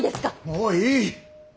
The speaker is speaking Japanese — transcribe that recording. もういい。